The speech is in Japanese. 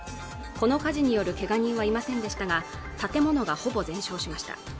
この火事によるけが人はいませんでしたが建物がほぼ全焼しました